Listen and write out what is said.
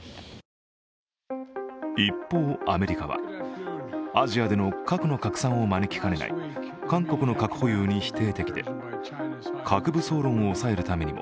一方、アメリカはアジアでの核の拡散を招きかねない韓国の核保有に否定的で核武装論を抑えるためにも